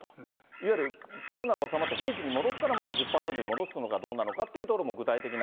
いわゆる、コロナが収まって、平時に戻ったら、また１０％に戻すのかどうなのかっていうところも、具体的な。